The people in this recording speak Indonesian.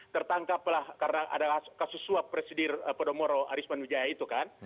tertangkaplah karena ada kasus suap presidir podomoro arisman wijaya itu kan